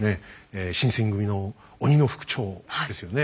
新選組の鬼の副長ですよね。